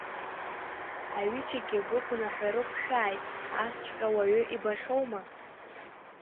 Аҩыџьагьы быгәнаҳа рықәшәааит, асҵәҟьа уаҩы ибахьоума!